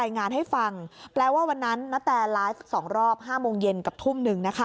กับทุ่ม๑